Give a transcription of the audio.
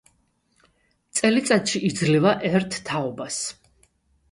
წელიწადში იძლევა ერთ თაობას.